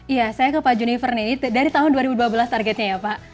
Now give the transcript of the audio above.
iya saya ke pak junifer nih dari tahun dua ribu dua belas targetnya ya pak